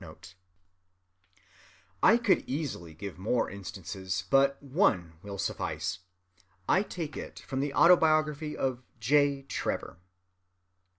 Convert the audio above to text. (238) I could easily give more instances, but one will suffice. I take it from the Autobiography of J. Trevor.